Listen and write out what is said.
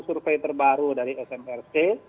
survei terbaru dari smrc